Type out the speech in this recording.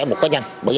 một cá nhân